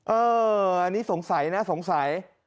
เอออันนี้สงสัยนะสงสัย